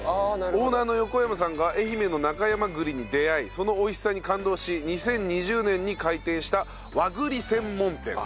オーナーの横山さんが愛媛の中山栗に出会いその美味しさに感動し２０２０年に開店した和栗専門店。